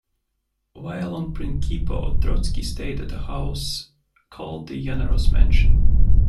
While on Prinkipo, Trotsky stayed at a house called the "Yanaros mansion".